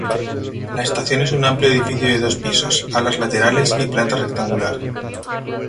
La estación es un amplio edificio de dos pisos, alas laterales y planta rectangular.